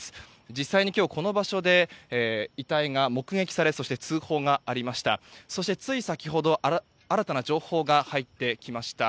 実際に今日、この場所で遺体が目撃され通報がありました。